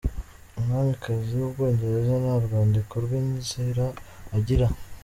Umwamikazi w’u Bwongereza nta rwandiko rw’inzira agira